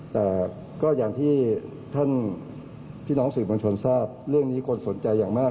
แต่ก็อย่างที่ท่านพี่น้องสื่อมวลชนทราบเรื่องนี้คนสนใจอย่างมาก